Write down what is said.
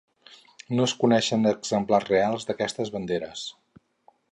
No es coneixen exemplars reals d'aquestes banderes.